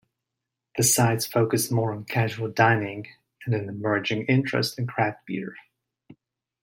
The sites focus more on casual dining and an emerging interest in craft beer.